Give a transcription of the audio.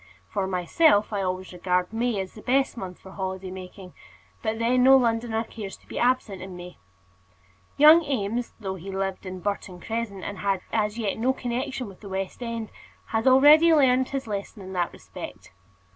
For myself, I always regard May as the best month for holiday making; but then no Londoner cares to be absent in May. Young Eames, though he lived in Burton Crescent and had as yet no connection with the West End, had already learned his lesson in this respect.